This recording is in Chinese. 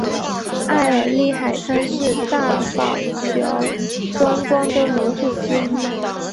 埃尔利海滩是大堡礁观光的门户之一。